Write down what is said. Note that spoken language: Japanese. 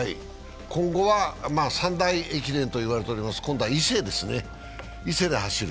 今後は三大駅伝と言われています、今度は伊勢で走る。